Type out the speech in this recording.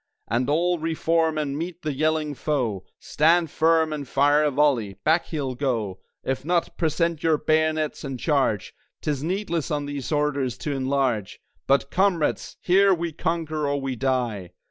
And all re form and meet the yelling foe! Stand firm and fire a volley! Back he'll go. If not, present your bayonets, and Charge! 'Tis needless on these orders to enlarge; But Comrades! here we conquer or we die!"